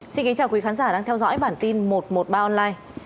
xin kính chào quý khán giả đang theo dõi bản tin một trăm một mươi ba online